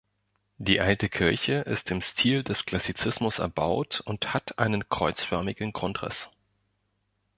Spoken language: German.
Die Alte Kirche ist im Stil des Klassizismus erbaut und hat einen kreuzförmigen Grundriss.